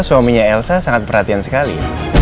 suaminya elsa sangat perhatian sekali